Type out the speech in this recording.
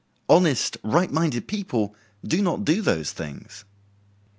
Honest, right minded people do not do those things.